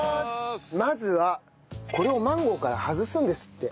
まずはこのマンゴーから外すんですって。